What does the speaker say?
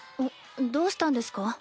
どうしたんですか？